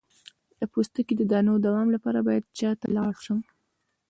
د پوستکي د دانو د دوام لپاره باید چا ته لاړ شم؟